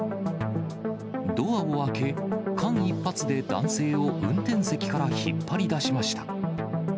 ドアを開け、間一髪で男性を運転席から引っ張り出しました。